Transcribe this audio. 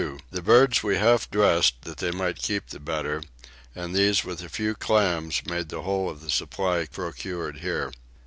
The birds we half dressed that they might keep the better: and these with a few clams made the whole of the supply procured here.